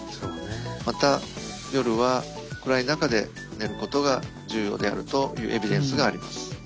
また夜は暗い中で寝ることが重要であるというエビデンスがあります。